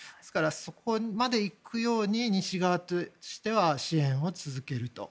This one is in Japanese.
そこまでいくように西側としては支援を続けると。